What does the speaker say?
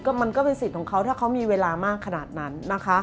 มันก็เป็นสิทธิ์ของเขาถ้าเขามีเวลามากขนาดนั้นนะคะ